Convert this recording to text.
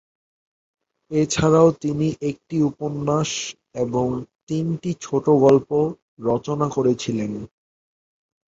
এছাড়াও তিনি একটি উপন্যাস এবং তিনটি ছোট গল্প রচনা করেছিলেন।